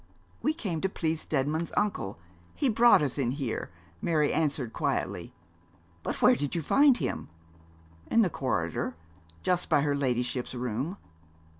'We came to please Steadman's uncle he brought us in here,' Mary answered, quietly. 'But where did you find him?' 'In the corridor just by her ladyship's room.'